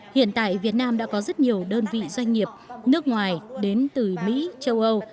hiện tại việt nam đã có rất nhiều đơn vị doanh nghiệp nước ngoài đến từ mỹ châu âu